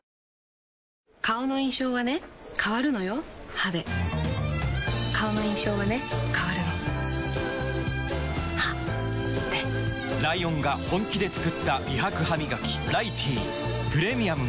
歯で顔の印象はね変わるの歯でライオンが本気で作った美白ハミガキ「ライティー」プレミアムも